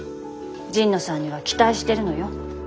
神野さんには期待してるのよ。